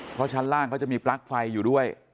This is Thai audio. เพราะชั้นล่างเขาจะมีปลั๊กไฟอยู่ด้วย